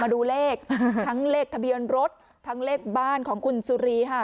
ดูเลขทั้งเลขทะเบียนรถทั้งเลขบ้านของคุณสุรีค่ะ